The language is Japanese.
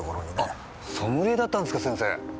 あソムリエだったんすか先生。